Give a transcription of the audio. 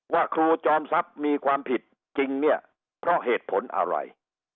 ครูจอมทรัพย์มีความผิดจริงเนี่ยเพราะเหตุผลอะไร